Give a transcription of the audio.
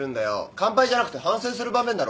乾杯じゃなくて反省する場面だろ。